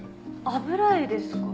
油絵ですか？